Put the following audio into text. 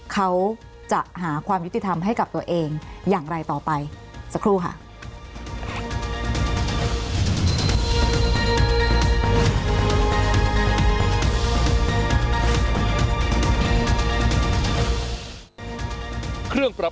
เขาจะหาความยุติธรรมให้กับตัวเองอย่างไรต่อไปสักครู่ค่ะ